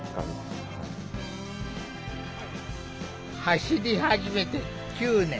走り始めて９年。